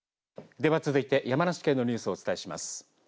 では、続いて山梨県のニュースをお伝えします。